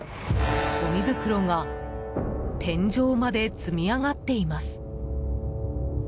ごみ袋が天井まで積み上がっています。